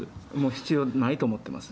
必要ないと思っています。